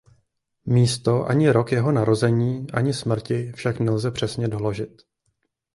Místo ani rok jeho narození ani smrti však nelze přesně doložit.